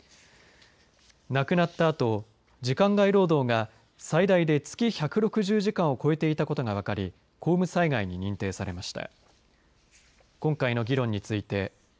亡くなったあと時間外労働が最大で月１６０時間を超えていたことが分かり公務災害に認定されました。